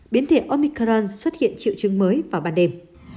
biến thiện omicron xuất hiện triệu chứng mới vào ban đêm